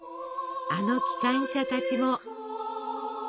あの機関車たちも！